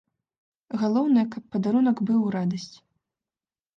Галоўнае, каб падарунак быў у радасць.